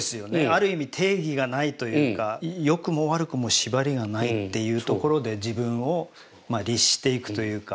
ある意味定義がないというか良くも悪くも縛りがないっていうところで自分をまあ律していくというか。